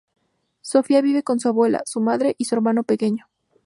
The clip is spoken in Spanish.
Sofia vive con su abuela, su madre y su hermano pequeño.